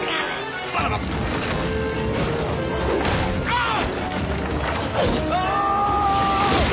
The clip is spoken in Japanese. ああ！？